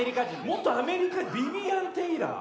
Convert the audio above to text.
元アメリカビビアン・テイラー。